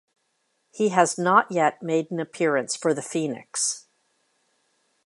He has not yet made an appearance for the Phoenix.